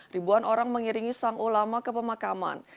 ribuan orang mengiringi sang ulama ke pemakaman